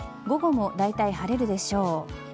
午後もだいたい晴れるでしょう。